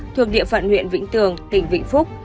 thuộc địa phận huyện vĩnh tường tỉnh vĩnh phúc